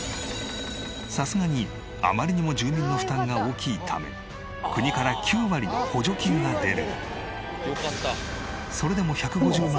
さすがにあまりにも住民の負担が大きいため国から９割の補助金が出る。